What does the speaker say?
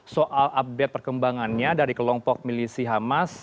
soal update perkembangannya dari kelompok milisi hamas